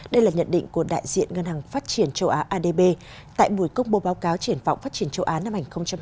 đây là nhận định của đại diện ngân hàng phát triển châu á adb tại buổi công bố báo cáo triển vọng phát triển châu á năm hai nghìn hai mươi